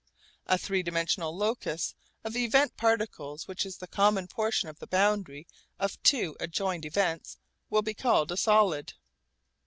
A three dimensional locus of event particles which is the common portion of the boundary of two adjoined events will be called a 'solid.'